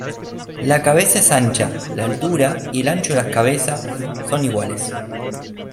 La cabeza es ancha, la altura y el ancho de la cabeza son iguales.